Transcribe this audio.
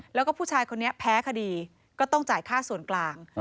แล้วก็ผู้ชายคนนี้แพ้คดีก็ต้องจ่ายค่าส่วนกลาง